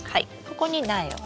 ここに苗を。